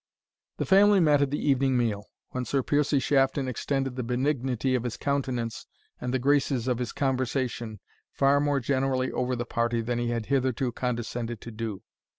The family met at the evening meal, when Sir Piercie Shafton extended the benignity of his countenance and the graces of his conversation far more generally over the party than he had hitherto condescended to do.